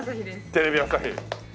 テレビ朝日。